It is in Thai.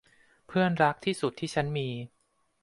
เพื่อนรักที่สุดที่ฉันมี